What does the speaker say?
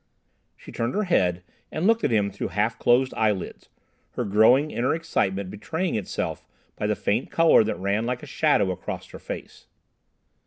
She turned her head and looked at him through half closed eyelids, her growing inner excitement betraying itself by the faint colour that ran like a shadow across her face.